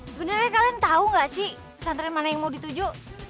sebenarnya kalian tahu nggak sih pesantren mana yang mau dituju